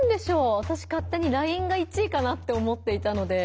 わたし勝手にＬＩＮＥが１位かなって思っていたので。